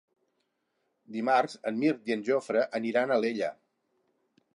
Dimarts en Mirt i en Jofre aniran a Alella.